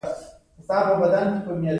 یعنې موږ هغه له ښه ژوند کولو محروم کړو.